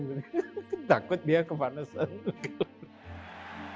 kedakut dia kepanasan